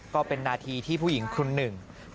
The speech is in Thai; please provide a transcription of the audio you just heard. ก็เป็นนาทีที่ผู้หญิงคุณหนึ่ง